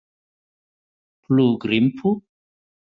Plu grimpu?